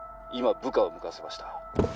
「今部下を向かわせました」